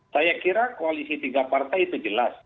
saya kira koalisi tiga partai itu jelas